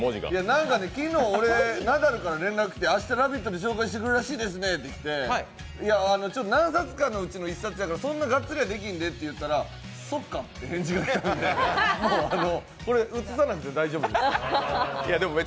なんか昨日、ナダルから連絡が来て、明日「ラヴィット！」で紹介してくれるんやねって連絡が来ていや、何冊かのうちの一冊やからそんなガッチリできへんでって言うたら「そっか」って返事が来たんでこれ映さなくて大丈夫です。